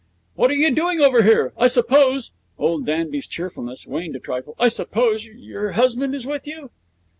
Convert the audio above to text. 'What are you doing over here? I suppose' old Danby's cheerfulness waned a trifle 'I suppose your husband is with you?'